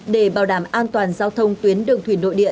để bảo đảm an toàn giao thông tuyến đường thủy nội địa